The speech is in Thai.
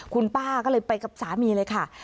คุณป้าก็เลยไปกับสามีเลยค่ะ